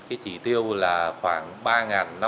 cái chỉ tiêu là khoảng